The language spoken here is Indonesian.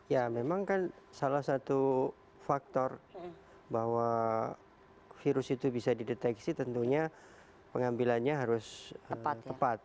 ya memang kan salah satu faktor bahwa virus itu bisa dideteksi tentunya pengambilannya harus tepat